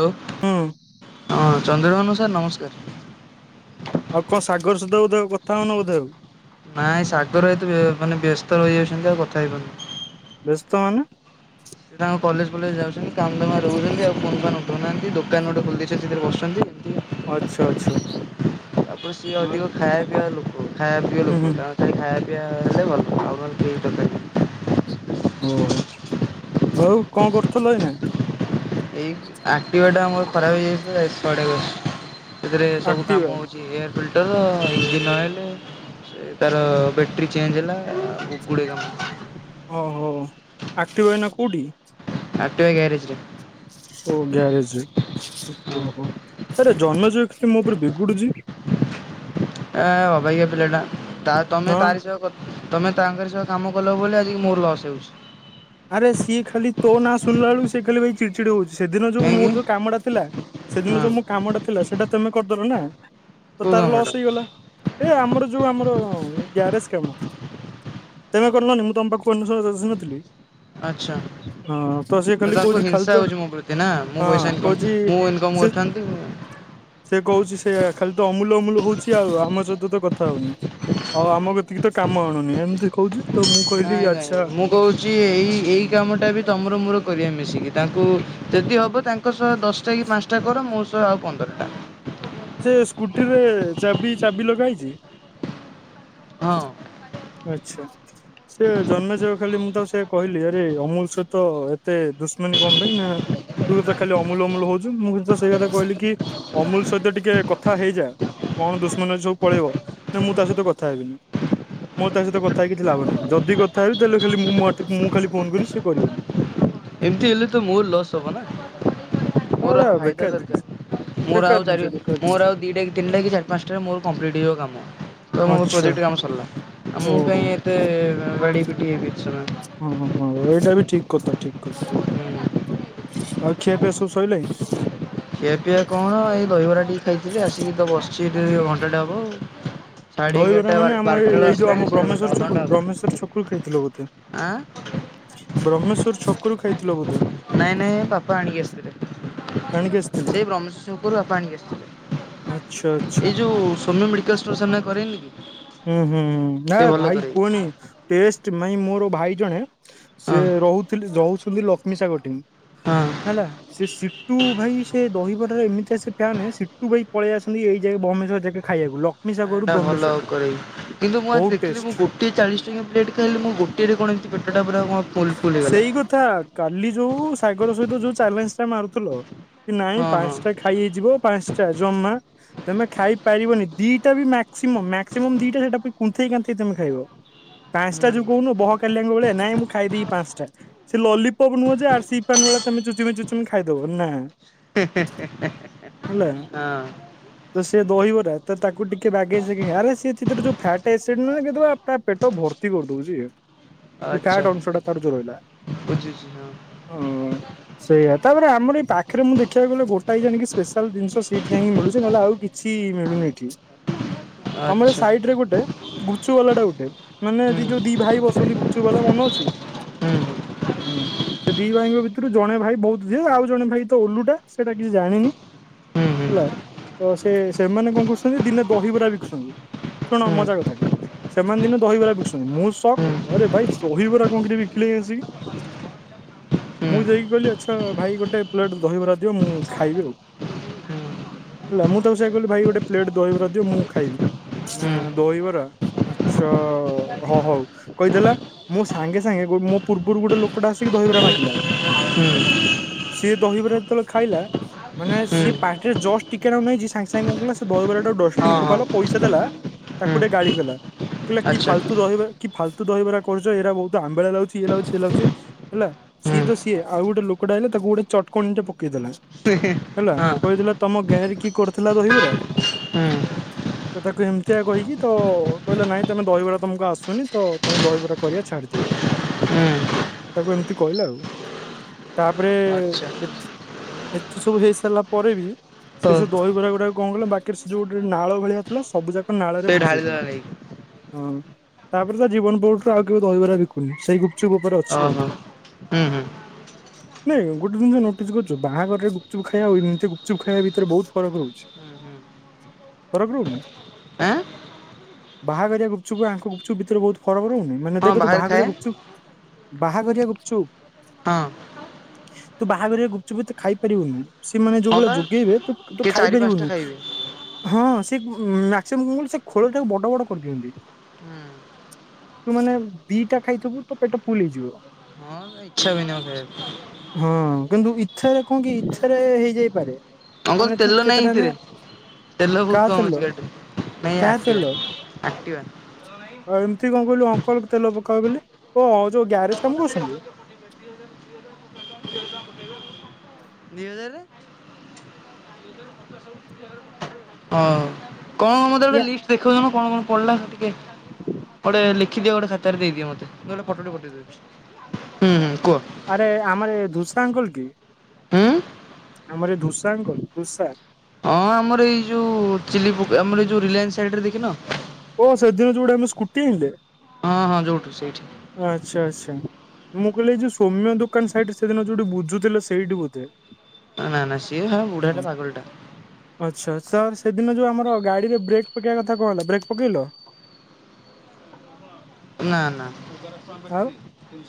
Hello! ହୁଁ ହଁ ଚନ୍ ଧନୁ ସାର୍ ନମସ୍କାର! ଆଉ କଣ ସାଗର ସୁଧା ବୋଧେ କଥା ହଉନ ବୋଧେ ଆଉ? ନାଇଁ ସାଗର ଏତେ ବ୍ୟ ମାନେ ବ୍ୟସ୍ତ ରହିଯାଉଛନ୍ତି। ଆଉ କଥା ହେଇପାରୁନି। ବ୍ୟସ୍ତ ମାନେ? ସେ ତାଙ୍କ କଲେଜ ଫଲେଜ ଧନାନ୍ ନ୍ଦିଦୋ। ଦୋକାନ ଗୋଟେ ଖୋଲି ଦେଇଛ, ସେଥିରେ ବସୁଛନ୍ତି। ଆଚ୍ଛା ଆଚ୍ଛା ଏମିତି ତାପରେ ସିଏ ଅଧିକ ହୁଁ ଖାଇବା ପିଇବା ଲୋକ। ଖାଇବା ପିଅ ହୁଁ ଲୋକଟା। ତା ଖାଇଆ ପିଆ ହେଲେ ଭଲ। ଆଉ ନହେଲେ କେହି ଦକାର ନାହିଁ। ଓହୋ! ଆଉ କଣ କରୁଥିଲ ଏଇନା? ଏଇ ଏକ୍ଟିଭା ଟା ଆମର ଖରାପ ହୋଇଯାଇଛି ତ। [unintelligible] ସେଥିରେ ସବୁ ଆକ୍ଟିଭା କାମ ହଉଛି। ଏୟାର ଫିଲ୍ଟର, ଇଞ୍ଜିନ୍ ଅଏଲ, ସେ ତାର ବ୍ୟାଟେରୀ ଚେଞ୍ଜ ହେଲା ଗୁଡ଼େ କାମ। ଓହୋ! ଅକ୍ଟିଭା ଏଇନା କୋଉଠି? ଏକ୍ଟିଭା ଗ୍ୟାରେଜ ରେ। ଓ ଗ୍ୟାରେଜ ରେ ହଁ ଓହୋ! ଆରେ ଜନ୍ନଜ ଏ ମୋ ଉପରେ ବିଗୁଡୁଚି? ଆ ଅବଗିଆ ପିଲଟା। ତା ତମେ ହଁ ତାରି ସହ କ ତମେ ତାଙ୍କରି ସହ କାମ କଲ ବୋଲି ଆଜିିକି ମୋର ଲସ୍ ହେଉଛି। ଆରେ ସିଏ ଖାଲି ତୋ ନାଁ ଶୁଣିଲା ଏଳକୁ ସେ ଖାଲି ଭାଈ ଚିଡ୍ ଚିଡି ହଉଛି। ସେଦିନ ଯୋଉ କାହିଁକି ମୋର ଯୋଉ କାମଟା ଥିଲା, ସେଦିନ ହଁ ଯୋଉ ମୋ କାମଟା ଥିଲା, ସେଇଟା ତମେ କରିଦେଲ ନା। ତ କୋଉ ତାର କାମଟା ଲସ ହେଇଗଲା। ଏ ଆମର ଯୋଉ ଆମର ହଁ ଗ୍ୟାରେଜ କାମ ତମେ କରଲନି ମୁଁ ତମ ପାଖକୁ [unintelligible] ନଥିଲି। ଆଚ୍ଛା ହଁ ତ ସେ ଖାଲି ତାଙ୍କୁ କହୁଛି ଖାଲି ହିଂସା ତ ହଉଛି ମୋ ପ୍ରତି ନା ମୁଁ ପଇସା ହଁ ଇନକମ୍ କହୁଛି, ମୁଁ ଇନକମ୍ ସେ କରିଥାନ୍ତି ସେ କହୁଛି ସେଇଆ ଖାଲି ତ ଅମୁଲ ଅମୁଲ ହଉଛି, ଆଉ ଆମ ସହିତ ତ କଥା ହଉନି। ଆଉ ଆମକୁ ଏତିକି ତ କାମ ଆଣୁନି, ଏମିତି କହୁଛି। ତ ମୁଁ କହିଲି ନାଇଁ ଆଚ୍ଛା। ନାଇଁ ମୁଁ କହୁଛି ଏଇ ଏଇ କାମଟା ବି ତମର ମୋର କରିବା ମିଶିକି। ତାଙ୍କୁ ଯଦି ହବ ତାଙ୍କ ସହ ଦଶଟା କି ପାଞ୍ଚଟା କର। ମୋ ସହ ଆଉ ପନ୍ଦରଟା। ସେ ସ୍କୁଟିରେ ଚାବି ଚାବି ଲଗାହେଇଛି? ହଁ। ଆଛା, ସେ ଜନ୍ମଜୟ ଖାଲି ମୁଁ ତାକୁ ସେଇଆ କହିଲି, ଆରେ! ଅମୁଲ ସହିତ ଏତେ ଦୁଶମନୀ କଣ ପାଇଁ ନା? ତୁ ତ ଖାଲି ଅମୁଲ ଅମୁଲ ହଉଛୁ, ମୁଁ କିନ୍ତୁ ସେଇ କଥା କହିଲି କି ଅମୁଲ ସହିତ ଟିକେ କଥା ହେଇଯା। କଣ ଦୁଶମନୀ ଅଛି ସବୁ ପଳେଇବ। ନା ମୁଁ ତା ସହିତ କଥା ହେବିନି। ମୋର ତା ସହିତ କଥା ହେଇ କିଛି ଲାଭ ନାହିଁ ଯଦି କଥା ହେବି ତାହେଲେ ଖାଲି ମୁଁ ମୋ ଆଡ଼ ମୁଁ ଖାଲି ଫୋନ କରିବି ସିଏ କରିବନି। ଏମତି ହେଲେ ତ ମୋର ଲସ୍ ହବ ନା ମୋର ଏରା ଆଉ ଫାଇଦା ବେକାର ଦରକାର ଜିନିଷ ମୋର ବେକାର ଆଉ ଜିନିଷ ଚାରି ବେକାର ମୋର ଜିନିଷ ଆଉ ଦିଇଟା କି ତିନିଟା କି ଚାରି ପାଞ୍ଚଟାରେ ମୋର କମ୍ପ୍ଲିଟ୍ ହେବ କାମ ତ ମୋ ଆଚ୍ଛା ପ୍ରୋଜେକ୍ଟ କାମ ସରିଲା ଆଉ ମୁଁ କାଇଁ ଓହୋ। ଏତେ ବାଡ଼ି ପଟିଏ ବି [inaudible] ହଁ ହଁ ହଁ ଓଡ଼ିଶାରେ ବି ଠିକ୍ କଥା ଠିକ କଥା ଆଉ ଖିଆ ପିଆ ସବୁ ସଇଲାଣି। ଖିଆ ପିଆ କଣ ଏଇ ଦହିବରା ଟିକେ ଖାଇଥିଲି ଆସିକି ତ ବସିଛି। କେତେ ଡେରି ହବ ଘଣ୍ଟାଟେ ହବଆଉ। ଦହିବରା ମାନେ ଆମ ଏଇ ଏଇ ଯୋଉ ଆମ ସାଢେ ବାରଟା ବ୍ରହ୍ମେଶ୍ଵର ଅଧଘଣ୍ଟା ଛକୁରୁ ହବ। ବ୍ରହ୍ମେଶ୍ଵର ଛକୁରୁ କିଣି ଥିଲ ବୋଧେ। ଆଁ ବ୍ରହ୍ମେଶ୍ୱର ଛକ ଘରୁ ଖାଇଥିଲ ବୋଧେ! ନାଇଁ ନାଇଁ ବାପା ଆଣିକି ଆସିଥିଲେ ଆଣିକି ଆସିଥିଲେ ସେଇ ବ୍ରହ୍ମହେଶ୍ୱ ଶ୍ୱର ଛକରୁ ବାପା ଆଣିକି ଆଚ୍ଛା ଆଚ୍ଛା। ଆସିଥିଲେ। ଏଇ ଯୋଉ ସୋମ୍ୟ ମେଡି ସେ ଟିୟୁସନ କରିବେନି କି? ହୁଁ ହୁଁ ହୁଁ ନା ସେ ଭଲ ଭାଇ କରେଇ କୁହନି ଟେଷ୍ଟ ମାଇଁ ମୋର ଭାଇ ଜଣେ ସିଏ ହଁ ରହୁଥିଲେ ଯୋଉ ସ ଶଛନ୍ତି ଲକ୍ଷ୍ମୀ ସାଗ ଟିନ୍ [unintelligible] ହଁ। ହେଲା ସେ ସିଟୁ ଭାଇ ସେ ଦହିବରାରେ ଏମିତିଆ ସେ ଫ୍ୟାନ ସିଟୁ ଭାଇ ପଳେଇ ଆସନ୍ତି ଏଇ ଯାଏଁ ବମହେଁଶ୍ୱର ଜାଙ୍କେ ଖାଇବାକୁ ଲ ମିଶା କରୁରୁ ଏଟା ଭଲ ବ୍ରହ୍େଶ୍ୱର [unintelligible] କିନ୍ତୁ ମୁଁ ଆଜି ଦେଖିଲି ମୁଁ ଗୋଟିଏ ଚାଳିଶ ଟଙ୍କିଆ ପ୍ଲେଟ୍ ଖାଇଲି ମୁଁ ଗୋଟିଏରେ କଣ ପେଟଟାପୁରା ସେଇ କଥା କାଲି ଯୋଉ ସାଇକଲ ସହିତ ଯୋଉ ଚ୍ୟାଲେଞ୍ଜ ଟା ମାରୁ ହଲୋ! କି ନାଇଁ ହଁ ହଁ ପାନସ ଟା ଖାଇ ହେଇଯିବ ପାନସ ଟା ଜମା ତମେ ଖାଇପାରିବନି ଦି ମ ଦିଟାଇଟା କୁନ୍ଥେଇ କାନ୍ଥେଇ ତମେ ଖାଇବ ପାନସ ଟା ଯୁ ହୁଁ କହୁନୁ ବହ କାଲିୟାଙ୍କ ଭଳିଆ ନାଇଁ ମୁଁ କେବେବି ପାନସ ଟା ସେ ଲଲିପ୍ ନୁହଁ ଯେ ଆରସି ପାନ ଭଳିଆ ତମେ ଚୁଚୁମି ଚୁଚୁମି ଖାଇଦବ ନା। ହେଁ ହେଁ ହେଁ ହେଁ ହେଲା। ହେଁ ହଁ ତ ସେ ଦହିବଟା ତ ତାକୁ ଟିକେ ବାଗେଇରେ ସେ ସେରେ ଯୋଉ ଫାଟ ଆସିଡ ନଗଦ ତା ପେଟ ଭର୍ତ୍ତି କରିଦଉଛି ଆଚ୍ଛା ସେଇଟା ତାର ଯୋଉ ରହିଲା ବୁଝୁଛି ହଁ। ଅଁ ସେୟା ତାପରେ ଆମର ଏଇ ପା ପାଖରେ ମୁଁ ଦେଖିବାକୁ ଗଲେ ଗୋଟାଇ ଜାଣିକି ସ୍ପେଶାଲ ଜିନିଷ ସେଇଠି କାହିଁକି ମିଳୁଛି ନହଲେ ଆଉ କିଛି ମିଳୁନି ଏଠି। ଆମର ଆଚ୍ଛା ସାଇଡ ରେ ଗୋଟେ ଗୁଚୁ ବାଲା ଟା ଗୋଟେ ମାନେ ହୁଁ ଦି ହୁଁ ଯୋଉ ଦି ଭାଇ ବସନ୍ତି ଗୁପ ଛୁ ବାଲା ମନେ ଅଛି। ହୁଁ। ହୁଁ ସେ ଦି ଭାଇଙ୍କ ଭିତରୁ ଜଣେ ଭାଇ ବହୁତ ଦିଏ। ଜଣେ ଭାଇ ତ ଓଲୁଟା ସେଇଟା କିଛି ଜାଣିନି। ହୁଁ ହୁଁ। ହେଲା ତ ସେ ସେମାନେ କଣ କରୁଛନ୍ତି ଦିନେ ଦହିବରା ବିକୁୁଛନ୍ତି। ଶୁଣ ମଜା କଥା ଟେ। ସେମାନେ ଦିନେ ଦହିବରା ବିକଛନ୍ତି ମୁଁ ସକ୍ ହୁଁ ହୁଁ ହୁଁ ଆରେ ଭାଇ ଦହିବରା। କଣ କିରେ ବିକିଲେ ଆସିକି। ମୁଁ ଯାଇକି କହିଲି ଆଛା ଭାଇ ଗୋଟେ ପ୍ଲେଟ୍ ଦହିବରା ଦିଅ ମୁ ଖାଇବି ଆଉ। ହଁ ହେଲା ମୁଁ ତାକୁ ସେଇଆ କହିଲି ଗୋଟେ ପ୍ଲେଟ୍ ଦହିବରା ଦିଅ ମୁଁ ଖାଇବି। ନା ଦହିବରା ଆଛା ହ ହଉ କହିଦେଲା ମୁ ସାଙ୍ଗେ ସାଙ୍ଗେ ଗ ମୋ ପୂର୍ବରୁ ଗୋଟେ ଲୋକଟା ଆସିକି ଦହିବରା ମାଗିଲା। ହଁ ହୁଁ ସିଏ ଦହିବରା ଯେତେବେଳେ ଖାଇଲା ମାନେ ସିଏ ପାଟିରେ ଜଷ୍ଟ ଟିକେ ନାଗୁ ନେଇଛି ସାଙ୍ଗେ ସାଙ୍ଗେ କଣ କଲା ସେ ଦହିବରା ଟାକୁ ଡଷ୍ଟବିନ ରେ ଫୋପଡ଼ିଲା ପଇସା ଦେଲା ତାକୁ ଟିକେ ଗାଳିକଲା। କହିଲା କି ଆଚ୍ଛା ହୁଁ ଫାଲତୁ ଦହିବରା କି ଫାଲତୁ ଦହିବରା କରୁଛ ଏଇରା ବହୁତ ଆମ୍ବିଳା ଲାଗୁଛି ଇଏ ଲାଗୁଛି ସିଏ ଲାଗୁଛି ହେଲା। ହଁ ସିଏ ତ ସିଏ ଆଉ ଗୋଟେ ଲୋକଟା ଆଇଲା ତାକୁ ଗୋଟେ ଚଟକଣୀ ଟେ ଦେଲା ହେଲା। କହିଦେଲା ତମ ଗାଁରେ କି କରୁଥିଲା ଦହିବରା। ହୁଁ। ତ ତାକୁ ଏମିତିଆ କହିକି ତ କହିଲେ ନାଇଁ ତମେ ଦହିବରା ତମକୁ ଆସୁନି। ତ ତମେ ଦହିବରାା କରିବା ଛାଡ଼ିଦିଅ। ହୁଁ ତାକୁ ଏମିତି କହିଲା ଆଉ। ତାପରେ ଆଚ୍ଛା ଏତେ ଏତେ ସବୁ ହେଇ ସାରିଲା ପରେ ବି ସେ ଓ ସେ ଦହିବରା ଗୁଡାକ କଣ କଲା। ପାଖରେ ସେ ଯୋଉ ଗୋଟେ ନାଳ ଭଳିଆ ଥିଲା ସବୁ ଯାକ ନାଳରେ ସେ ଭସେଇଦେଲା ଢାଳିଦେଲା ନେଇକି ହଁ। ତାପରେ ତା ଜୀବନ ପୋଟରୁ ଆଉ କେବେ ଦହିବରା [inaudible] ଚୁପ ଉପରେ ଅଛି ଆଉ ଓହୋ ହୁଁ ହୁଁ ନାଇଁ। ଗୋଟେ ଜିନିଷ ନୋଟିସ୍ କରୁଛୁ। ବାହାଘରରେ ଗୁପଚୁପ ଖାଇବା ଆ ଏମତି ଗୁପଚୁପ ଖାଇବା ଭିତରେ ବହୁତ ଫରକ ରହୁଛି। ଫରକ ରହୁନି। ଆଁ। ବାହାଘରିଆ ଗୁପ ଚୁପ୍ ଆଙ୍କ ଗୁପଚୁପ ଭିତରେ ବହୁତ ଫରକ ରହୁନି। ମାନେ ହଁ ଦେଖ ତୁ ବାହାରେ ବାହା ଖାଏ ଗୁପଚୁପ ବାହା ଘରିଆ ଛୁ। ହଁ। ତୁ ବାହାଘରରେ ଗୁପଚୁପ୍ ତ ଖାଇପାରିବୁନି। ସେମାନେ ଯୋଉ ହଁ ଭଳିଆ ବା ଯୋଗେଇବେ ତୁ ତୁ କିଏ ଚାରି ପାଞ୍ଚଟା ଖାଇପାରିବୁନୁ। ଖାଇବେ। ହଁ ସେ ମ୍ୟା ସେ ମୁ ସେ ଖୋଳ ଟାକୁ ବଡ ବଡ କରିଦିଅନ୍ତି। ହୁଁ ତୁମାନେ ଦିଟା ଖାଇଥିବୁ ତୋ ପେଟ ଫୁଲ୍ ହେଇଯିବ। ଛା ହବନି ଆଉ ଖାଇବାକୁ। ଥରେ କଣ କି ଇଥରେ ହେଇଯାଇପାରେ। ଅଙ୍କଲ୍ ମାନେ ତୁ ତେଲ ନାଇଁ କେତେଟା ନେ ଏଥିରେ ତେଲ କା ବହୁତ କମ ତେଲ ଅଛି। ଗାଡ଼ିରେ ନାଇଁ କାହା ଏକ୍ଟିଭା ତେଲ ନାଇଁ ଏକ୍ଟିଭା ତେଲ ନାହିଁ। ଆଉ ଏମିତି କଣ କହିଲୁ ଅଙ୍କଲ। ତେଲ ପକାଅ ବୋଲି ଅ ଓ ଯୋଉ ଗ୍ୟାରେଜ କାମ କରୁଛନ୍ତି। ଦି ହଜାରେ। ହଁ କଣ ମତେ ଗୋଟେ ଇଏ ଲିଷ୍ଟ ଦେଖେଇ ଦଉନୁ କଣ କଣ [unintelligible] ପଡେ ଲିଖ ଦିଅ ଗୋଟେ ଖାତାରେ ଦେଇଦିଅ ମୋତେ ଗଟେ ଫଟୋ ଟେ ପଟେଇଦଉଛି ହୁଁ ହୁ କୁହ ଆରେ ଆମର ଏ ଧୁସା ଅଙ୍କଲ କି? ହୁଁ ଆମର ଧୁସା ଅଙ୍କଲ ଧୁସା ହଁ ଆମର ଏଇ ଯୋଉ ଚିଲି ଆମର ଏଇ ଯୋଉ ରିଲାନ୍ସ ସାଇଡରେ ଦେଖିିନ ଓ ସଦିନ ଯୋଉଠି ଆମେ ସ୍କୁଟି ଆଣିଲେ ହଁ ହଁ ଯୋଉଠୁ ସେଇଠି ଆଚ୍ଛା ଆଚ୍ଛା। ମୁଁ କହିଲି ଏ ଯୋଉ ସୌମ୍ୟ ଦୋକାନ ସାଇଟ ସେଦିନ ଯୋଉଠି ବୁଝୁଥିଲେ ସେଇଠି ବୋଧେ। ନା ନା ସିଏ ହ ବୁଢାଟା ପାାଗଲଟା। ଆଚ୍ଛା ସାର୍ ସେଦିନ ଯୋଉ ଆମର ଗାଡିରେ ବ୍ରେକ୍ ପକେଇବା କଥା କହ ହେଲା ବ୍ରେକ୍ ପକଇଲ। ନା ନା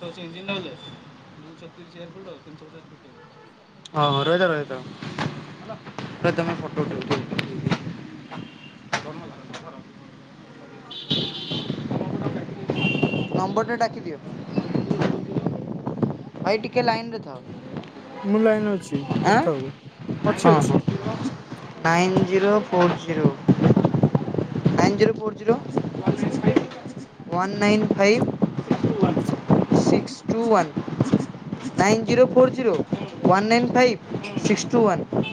[inaudible] [unintelligible] ହଁ ରହିଥାଅ ରହିଥାଅ ରହିତ ମୁଁ ଫଟୋ ଉଠବି। ନମ୍ବରଟେ ଡାକିଦିଅ। ଭାଇ ଟିକେ ଲାଇନ୍ ରେ ଥାଅ। ମୁଁ ଲାଇନ ଅଛି ଅଁ କଥା ହୁଅ। ଅଛି ହ ଅଛି ହ ନାଇ ଜିରୋ ଓ zero nine zero four zero one nine five six two one nine zero four zero one nine five six two one.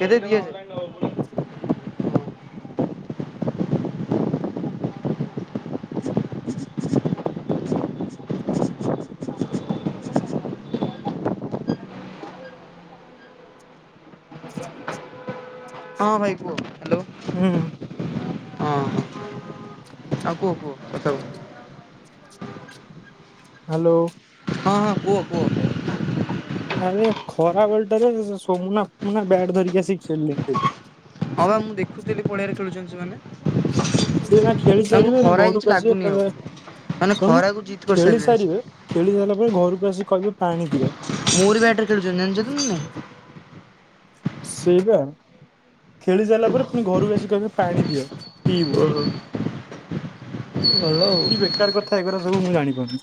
କେତେ ଦିଆ ହଁ ଭାଇ କୁହ ହଲୋ ହୁଁ ହଁ ହ ଆଉ କୁହ କୁହ କଥା ହୁଅ ହ୍ୟାଲୋ ହଁ ହଁ କୁହ କୁହୁ ରେ ଖରା ବେଲଟାରେ ସୋୁମୁନା ନା ବ୍ୟାଟ୍ ଧରିକି ଆଶି ଖେଳିଲେନି ହଁ ବା ମୁଁ ଦେଖୁଥିଲି ପଡିଆରେ ଖେୁଛନ୍ତି। [unintelligible] ସିଏ ନା ଖେଳି ସାରିବେ ନା ଘରକୁ ଆସିବେ ଲାଗୁନି ଆଉ କହିବେ ମାନେ ଶୁଣୁନୁ ଖରାକୁ ଜିତ୍ ଖେଳି କରିସାରିଲେଣି ସେ ସାରିବେ ଖେଳି ସାରିଲା ପରେ ଘରକୁ ଆସି କହିବ ପାଣି ଦିଅ ମୋରି ବ୍ୟାଟରେ ଖେଳୁଛନ୍ତି ଜଣିଛନ୍ତି କି ନାଇଁ? ସେଇପା ଖେଳି ସାରିଲା ପରେ ପୁଣି ଘରକୁ ଆସି କହିବି ପାଣି ଦିଅ। ପିଇବୁ ଓ ହୋ ଭଲ ଆଉ କି ବେକାର [unintelligible] ମୁଁ ଜାଣିପାରୁନି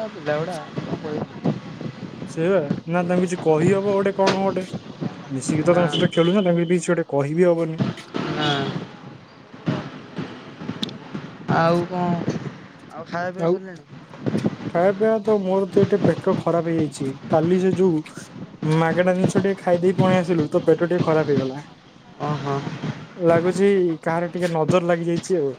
ପିଲାଗୁଡ଼ା ସେଇଆ ନା ତାଙ୍କୁ କିଛି କହି ହବ ଗୋଟେ କଣ ହ ଗୋଟେ ମିଶିକି ତ ନା ତାଙ୍କ ସହିତ ଖେଳୁନା ତାଙ୍କୁ କିଛି ଗୋଟେ କହିବିହବନି। ନା ଆଉ କଣ? ଖାଇବା ପିଇବା ଆଉ ସରିଲାଣି? ଖାଇବା ପିଆ ତ ମୋର ତ ଏଟେ ପେଟ ଖରାପ ହେଇଯାଇଛି କାଲି ସେ ଯୋଉ ମାଗେଣା ଜିନିଷ ଟିକେ ଖାଇଦେଇ ପଣେଇ ଆସିଲୁ ତ ପେଟ ଟିକେ ଖରାପ ହେଇଗଲା। ଓହୋ। ଲାଗୁଛି କାହାର ଟିକେ ନଜର ଲାଗି ଯାଇଛି ଆଉ।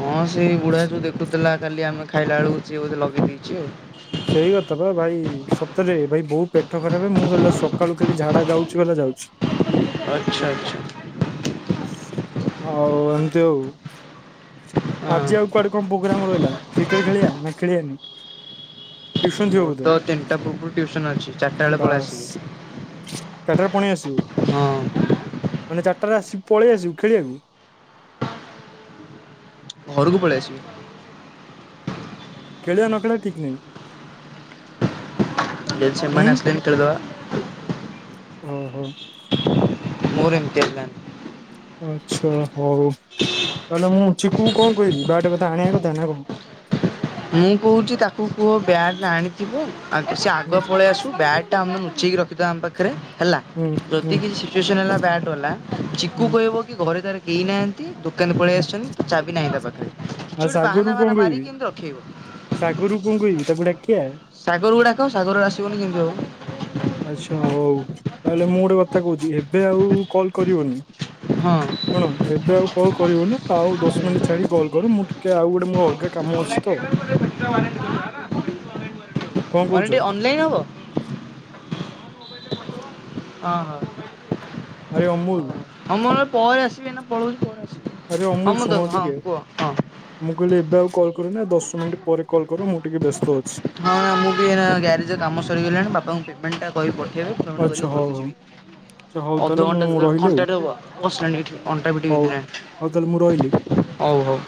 ହଁ ସେଇ ବୁଢ଼ା ସବୁ ଦେଖୁଥିଲା କାଲି ଆମେ ଖାଇଲା ବେଳକୁ ସିଏ ବୋଧେ ଲଗେଇଦେଇଛି ଆଉ। ସେଇ କଥା ବା ଭାଇ ସତରେ ଭାଇ ବୋଉ ପେଟ ଖରାପ ମୁଁ ତା ସକାଳୁ ଖାଲି ଝାଡା ଯାଉଛି ଵା ଯାଉଛି। ଆଚ୍ଛା ଆଚ୍ଛା। ହଉ ଏମିତି ଆଉ। ହଁ ଆଜି ଆଉ କୁଆଡେ କଣ ପ୍ରୋଗ୍ରାମ ରହିଲା କ୍ରିକେଟ ଖେଳିବା ନା ଖେଲିବାନି? ମୋର ତ ତିନିଟା ପୂର୍ବରୁ ଟିଉସନ ଅଛି ଚାରିଟା ବେଳେ ପଳେଇ ବାସ୍ ଆସିବି। ଚାରିଟାରେ ପୁଣି ଆସିବୁ ହଁ ମାନେ ଚାରିଟାରେ ଆସ ପଳେଇ ଆସିବୁ ଖେଳିବାକୁ। ଘରକୁ ପଳେଇ ଆସିବି। ଖେଳିବା ନଖେଳିବା ଠିକ ନାହିଁ। ଜ ସେମାନେ ନ ଆସିଲେଣି ଖେଳିଦେବା। ହ ହୋ। ମୋର [inaudible] ଆଚ୍ଛା ହଉ ତାହେଲେ ମୁଁ ଚିକୁଙ୍କୁ କଣ କହିବି ବ୍ୟାଟ୍ କଥା ଆଣିବା କଥା ନା କଣ? ମୁଁ କହୁଛି ତାକୁ କୁହ ବ୍ୟାଟ୍ ଆଣିଥିବ ଆଉ ସେ ହୁଁ ଆଗ ପଳେଇ ଆସୁ ବ୍ୟାଗ୍ ଟା ଆମେ ଲୁଚେଇକି ରଖ ତ ଆମ ପାଖରେ ହେଲା ହୁଁ ହୁଁ ଯଦି କିଛି ସିଚୁଏସନ ହେଲା ବ୍ୟାଟ ବାଲା ହୁଁ ଚିକୁ କହିବ କି ଘରେ ତାର ହେଇନାହାନ୍ତି ଦ କେମେ ହୁଁ। ପଲେଇଆସଛନ୍ତି ଚାବି ନାହିଁ ତାପାଖରେ ଆଉ ସାଗରୁ କଣ କହିବି? କଣ କହିବି ତାକୁ ଡାକିଆ ସାଗରକୁ ଡାକ ସାଗର ଆସିବନି କେମତି ହବ? ଆଛା ହଉ ତାହେଲେ ମୁଁ ଗୋଟେ କଥା କହୁଛି ଏବେ ଆଉ କଲ କରିବନି। ହଁ। ଶୁଣୁ ଏବେ ଆଉ କ କଲ୍ କରିବୁନି ଆଉ ଦଶ ମିନିଟ୍ ଛାଡିକି କଲ୍ କର ମୁଁ ଟିକେ ଆଉ ଗୋଟେ ମୋର ଅଲଗା କାମ ଅଛି ତ। କଣ ଅନ କହୁଛ ଟିକେ ଅନଲାଇନ୍ ହବ? ଅ ହ। ଆରେ ଅମୁଲ ଆମର ପରେ ଆସିବେ ଏଇନା ପଢଉଚି ପଢ଼ା ଆରେ ଅମୁଲ ଶୁଣ ଟିକେ ମୁଁ କହିଲି ଏବେ ଆଉ କଲ୍ କର ନା ଦଶ ମିନିଟ୍ ପରେ କଲ୍ କର ମୁଁ ଟିକେ ବ୍ୟସ୍ତ ଅଛି। ହଁ ମୁଁ ଟିକେ ଏଇନା ଗ୍ୟାରେଜରେ କାମ ସରିଗଲାଣି ବାପାଙ୍କୁ ପେମେଣ୍ଟ କହିକି ପଠେ ଠେଇବେ ପିମେଣ୍ଟ ଆଚ୍ଛା କରିକି ହଉ ଘରକୁ ହଉ ଯିବି ଆଚ୍ଛା ହଉ ତାହେଲେ ମୁଁ ଅଧଘଣ୍ଟା ରହିଲି ଆଉ ଘଣ୍ଟା ଟେ ହବ ବସିଲିଣି ଏଠି ଅଣ୍ଟା ପିଠି ହଉ ହଉ ତାହେଲେ ମୁଁ ରହିଲି। ବିନ୍ଧିଲାଣି ହଉ ହଉ।